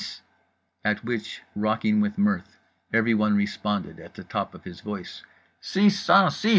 _" at which, rocking with mirth, everyone responded at the top of his voice: "_SIX CENT SIX!